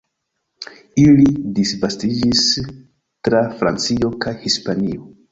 Ili disvastiĝis tra Francio kaj Hispanio.